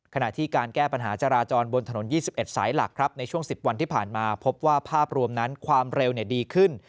ขณะที่การแก้ปัญหาจราจรบนถนน๒๑สายหลักครับในช่วง๑๐วันที่ผ่านมาพบว่าภาพรวมนั้นความเร็วดีขึ้น